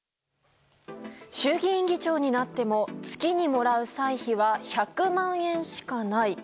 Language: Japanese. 衆議院議長になっても月にもらう歳費は１００万円しかない。